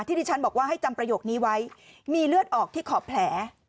ที่ดิฉันบอกว่าให้จำประโยคนี้ไว้มีเลือดออกที่ขอบแผล